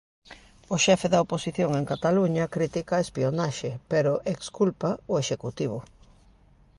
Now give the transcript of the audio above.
O xefe da oposición en Cataluña critica a espionaxe, pero exculpa o Executivo.